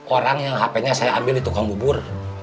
orang yang hp nya saya ambil di tukang bubur